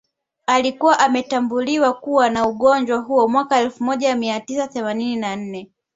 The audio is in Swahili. Alikuwa ametambuliwa kuwa na ugonjwa huo mwaka elfu moja mia tisa themanini na nne